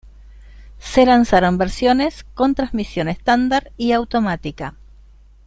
Se lanzaron versiones con transmisión estándar y automática.